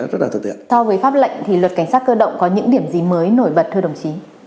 đối với pháp lệnh thì luật cảnh sát cơ động có những điểm gì mới nổi bật thưa đồng chí